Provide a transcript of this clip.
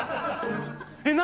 えっ？何？